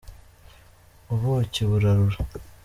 Ubuki burarura.